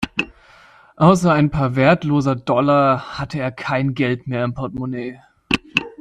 Außer ein paar wertloser Dollar hatte er kein Geld mehr im Portemonnaie.